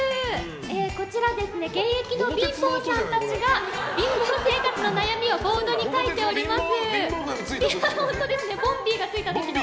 こちら、現役の貧乏さんたちが貧乏生活の悩みをボードに書いております。